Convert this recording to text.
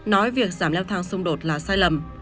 nói việc giảm leo thang xung đột là sai lầm